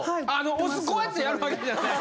お酢こうやってやるわけじゃない。